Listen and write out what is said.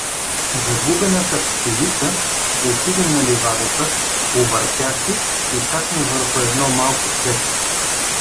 Загубената пчелица отиде на ливадата, повъртя се и кацна върху едно малко цвете.